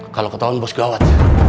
kalau ketahuan bos gawat